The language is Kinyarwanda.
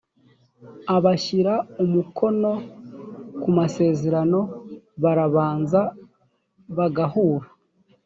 abashyira umukono kumasezerano barabanza bagahura.